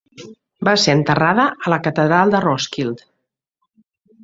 Va ser enterrada a la catedral de Roskilde.